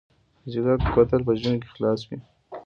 حاجي ګک کوتل په ژمي کې خلاص وي؟